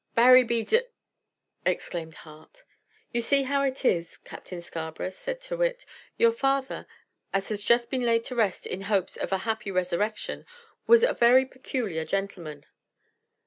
"Barry be d d!" exclaimed Hart. "You see how it is, Captain Scarborough," said Tyrrwhit; "Your father, as has just been laid to rest in hopes of a a happy resurrection, was a very peculiar gentleman."